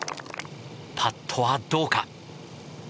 パットは、どうか？